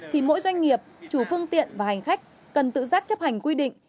thì mỗi doanh nghiệp chủ phương tiện và hành khách cần tự giác chấp hành quy định